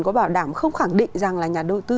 có bảo đảm không khẳng định rằng là nhà đầu tư